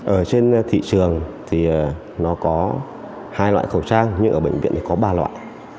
ở trên thị trường thì nó có hai loại khẩu trang nhưng ở bệnh viện thì có ba loại